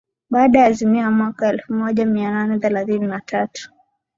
Baada ya azimio la mwaka elfu moja mia nane thelathini na tatu